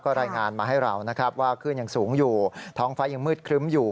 รายงานมาให้เรานะครับว่าคลื่นยังสูงอยู่ท้องฟ้ายังมืดครึ้มอยู่